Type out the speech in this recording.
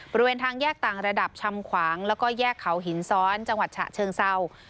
บริเวณทางแยกต่างระดับชำขวางแล้วก็แยกเขาหินซ้อนจังหวัดฉะเชิงเศร้า